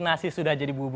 nasi sudah jadi berhasil